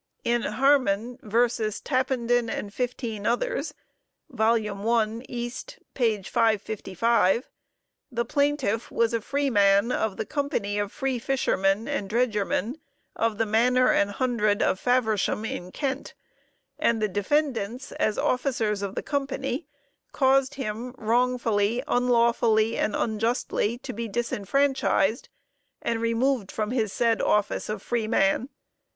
In Harman v. Tappenden and fifteen others (1 East 555) the plaintiff was a freeman of the company of free fishermen and dredgermen of the manor and hundred of Faversham in Kent, and the defendants, as officers of the company, caused him "wrongfully, unlawfully and unjustly" to be disfranchised, and removed from his said office of freeman.